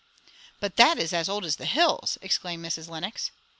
"But that is as old as the hills!" exclaimed Mrs. Lenox.